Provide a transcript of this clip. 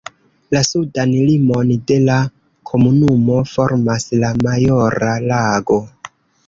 La sudan limon de la komunumo formas la Majora Lago.